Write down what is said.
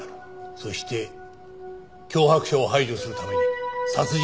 そして脅迫者を排除するために殺人が行われた。